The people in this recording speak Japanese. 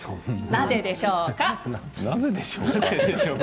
なぜでしょうか？